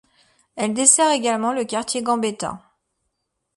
Elle dessert également le quartier Gambetta.